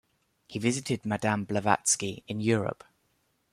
He visited Madame Blavatsky in Europe.